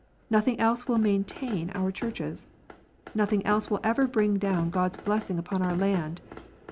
Nothing else will maintain our Churches. Xothing else will ever bring down God s blessing upon our land.